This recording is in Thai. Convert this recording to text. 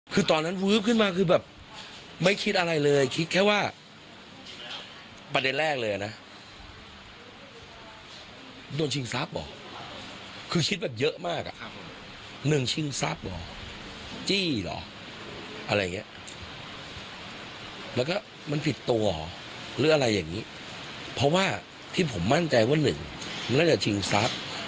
หรืออะไรอย่างนี้เพราะว่าที่ผมมั่นใจว่าหนึ่งน่าจะชิงศักดิ์